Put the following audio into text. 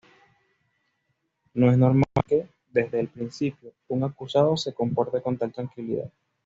No es normal que, desde el principio, un acusado se comporte con tal tranquilidad.